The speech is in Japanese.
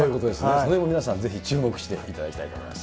それも皆さん、ぜひ注目していただきたいと思います。